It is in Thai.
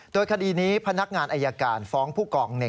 โดยคดีนี้พนักงานอายการฟ้องผู้กอง๑